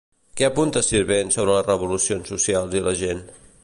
Què apunta Sirvent sobre les revolucions socials i la gent?